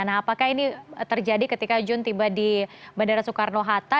nah apakah ini terjadi ketika jun tiba di bandara soekarno hatta